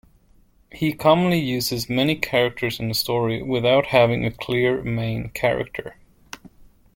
He commonly uses many characters in a story without having a clear main character.